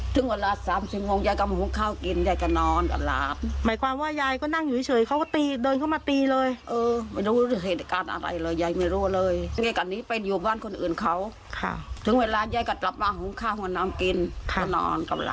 ถึงเวลาเจ้าก็แบบมาหุงข้าวหุงน้ำกินก็นอนก็ร